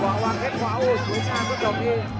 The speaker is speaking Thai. อยากหว่างแค่ขวาโอ๊ยหูทางคุ้นสองที่